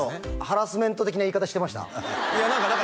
ハラスメント的な言い方してました？